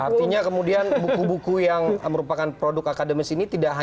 artinya kemudian buku buku yang merupakan produk akademis ini tidak hanya